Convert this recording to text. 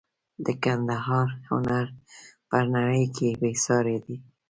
د ګندهارا هنر په نړۍ کې بې ساري دی